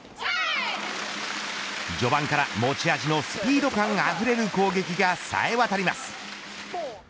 序盤から持ち味のスピード感あふれる攻撃がさえ渡ります。